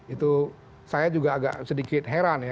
itu saya juga agak sedikit heran ya